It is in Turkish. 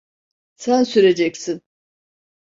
Sen süreceksin.